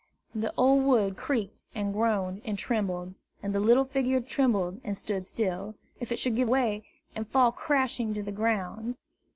The old wood creaked and groaned and trembled, and the little figure trembled and stood still. If it should give way, and fall crashing to the ground!